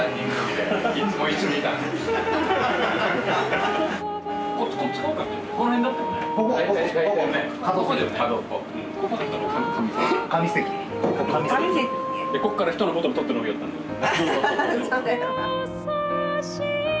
でこっから人のボトル取って飲みよったんだよね。